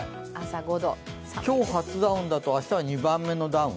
今日、初ダウンだと明日は２番目のダウン？